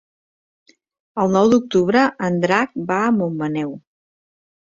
El nou d'octubre en Drac va a Montmaneu.